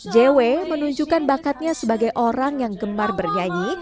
jw menunjukkan bakatnya sebagai orang yang gemar bernyanyi